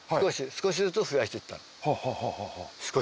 少しずつ増やしていったの。